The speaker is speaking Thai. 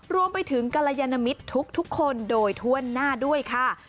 รวมไปถึงกรยานมิตรทุกคนโดยถ้วนหน้าด้วยค่ะ